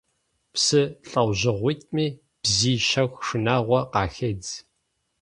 Псы лӀэужьыгъуитӀми бзий щэху шынагъуэ къахедз.